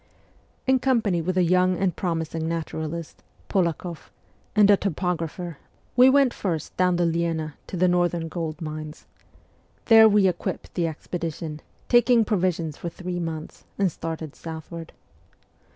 In company with a young and promising naturalist, Polak6ff, and a topographer, we went first down the Lena to the northern gold mines. There we equipped the expedition, taking provisions for three months, and started southward.